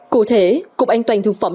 cụ thể cục an toàn thực phẩm